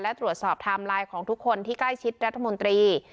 และตรวจสอบไทม์ไลน์ของทุกคนที่ใกล้ชิดรัฐมนตรี